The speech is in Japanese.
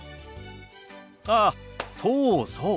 あそうそう。